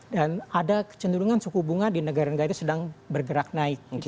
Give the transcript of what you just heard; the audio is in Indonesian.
dan ada kecenderungan suku bunga di negara negara itu sedang bergerak naik